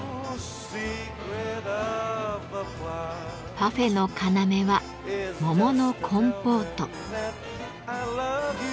パフェの要は桃のコンポート。